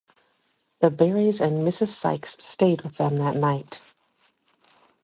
The Barrys and Mrs. Sykes stayed with them that night.